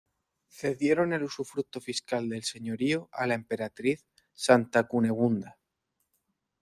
Cedieron el usufructo fiscal del Señorío a la emperatriz Santa Cunegunda.